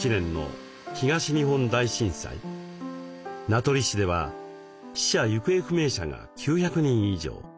名取市では死者・行方不明者が９００人以上。